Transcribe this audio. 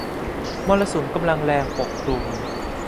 มรสุมกำลังแรงปกคลุม